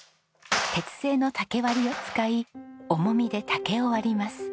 鉄製の竹割りを使い重みで竹を割ります。